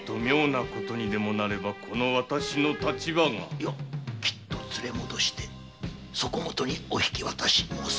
いやきっと連れ戻してそこもとにお引き渡し申す。